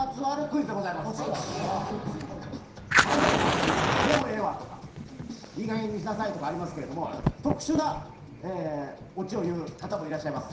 漫才のオチ、もうええわとかいいかげんにしなさいとかありますけど、特殊なオチを言う方もいらっしゃいます。